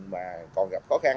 mà còn gặp khó khăn